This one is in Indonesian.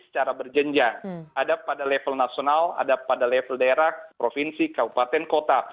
secara berjenjang ada pada level nasional ada pada level daerah provinsi kabupaten kota